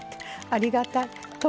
ありがたい。